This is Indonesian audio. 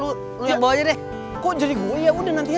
mulut lo aja masih begitu senyum makanya